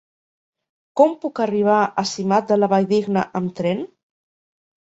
Com puc arribar a Simat de la Valldigna amb tren?